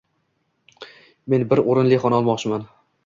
Men bir o'rinli xona olmoqchiman.